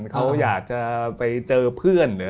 เขาอยากจะไปเจอเพื่อน